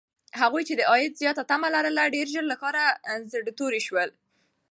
هغوی چې د عاید زیاته تمه لرله، ډېر ژر له کاره زړه توري شول.